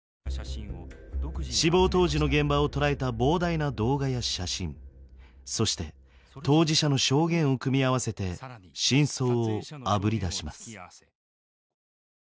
死亡当時の現場を捉えた膨大な動画や写真そして当事者の証言を組み合わせて真相をあぶり出します。